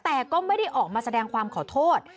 แต่ก็ไม่ได้ออกมาแสดงความขอโทษ